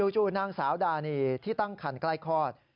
นางสาวดานีที่ตั้งคันใกล้คลอด